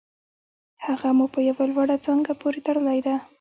هغه مو په یوه لوړه څانګه پورې تړلې ده